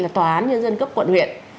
là tòa án nhân dân cấp quận huyện